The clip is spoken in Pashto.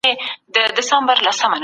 وخت ډېر قیمتي دی قدر یې وکړئ.